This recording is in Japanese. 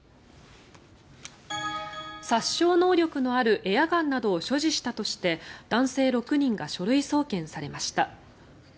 殺傷能力のあるエアガンなどを所持したとして男性６人が書類送検されました。